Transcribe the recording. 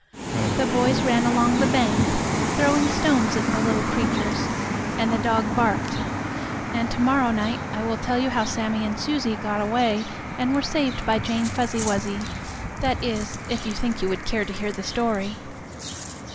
The boys ran along the bank, throwing stones at the little creatures, and the dog barked, and to morrow night I will tell you how Sammie and Susie got away and were saved by Jane Fuzzy Wuzzy, that is if you think you would care to hear the story.